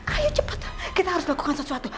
ayo cepat kita harus lakukan sesuatu